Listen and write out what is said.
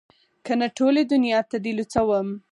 که نه ټولې دونيا ته دې لوڅوم.